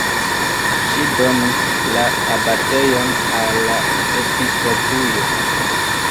Ŝi donis la abatejon al la episkopujo.